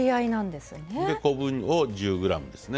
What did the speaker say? で昆布を１０ｇですね。